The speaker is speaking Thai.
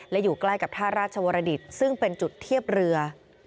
และอยู่ใกล้กับท่าราชวรดิตซึ่งเป็นจุดเทียบเรือ